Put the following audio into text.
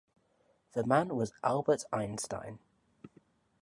The man was Albert Einstein.